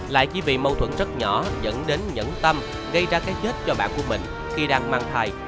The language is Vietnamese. lại chỉ vì mâu thuẫn rất nhỏ dẫn đến nhẫn tâm gây ra cái chết cho bạn của mình khi đang mang thai